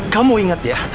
kamu inget ya